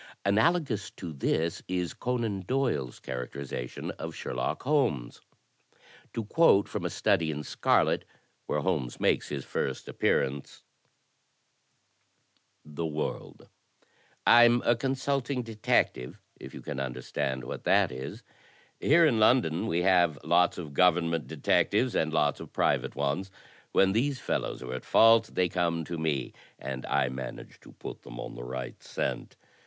Analogous to this is Conan Doyle's characterization of Sherlock Holmes. To quote from "A Study in Scarlet," where Holmes makes his first appearance: "Well, I have a trade of my own. I suppose I am the only one in THE DETECTIVE 77 the world. I*m a consulting detective, if you can understand what that is. Here in London we have lots of government detectives and lots of private ones. When these fellows are at fault they come to me, and I manage to put them on the right scent.